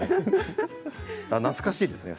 懐かしいですね